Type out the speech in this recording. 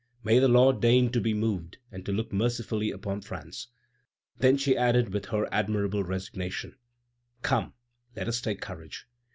May the Lord deign to be moved, and to look mercifully upon France!" Then she added, with her admirable resignation: "Come, let us take courage.